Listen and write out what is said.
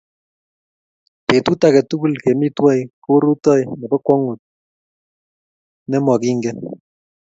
Petut ake tukul kemi twai kou rutoi nepo kwong'ut ne mokingen